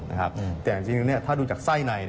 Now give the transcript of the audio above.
แต่อย่างจริงถ้าดูจากไส้ใน